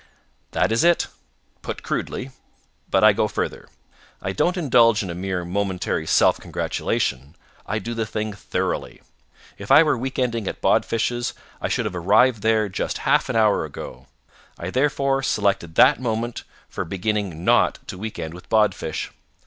"That is it, put crudely. But I go further. I don't indulge in a mere momentary self congratulation, I do the thing thoroughly. If I were weekending at Bodfish's, I should have arrived there just half an hour ago. I therefore selected that moment for beginning not to weekend with Bodfish.